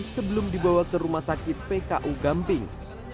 sebelum dibawa ke rumah sakit pku gamping